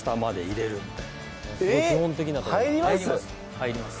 入ります？